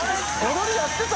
踊りやってた？